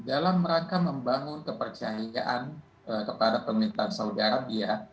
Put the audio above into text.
dalam rangka membangun kepercayaan kepada pemerintah saudi arab ya